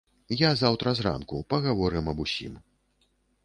Я заўтра зранку, пагаворым аб усім.